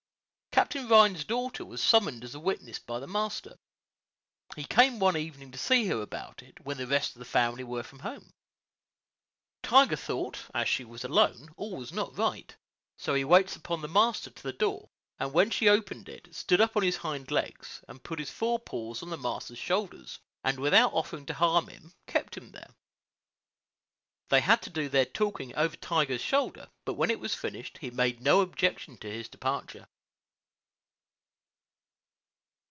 Captain Rhines's daughter was summoned as a witness by the master. He came one evening to see her about it, when the rest of the family were from home. Tiger thought, as she was alone, all was not right; so he waits upon the master to the door, and when she opened it, stood up on his hind legs, and put his fore paws on the master's shoulders, and without offering to harm him, kept him there. They had to do their talking over Tiger's shoulder; but when it was finished, he made no objection to his departure.